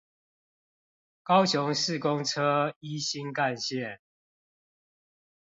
高雄市公車一心幹線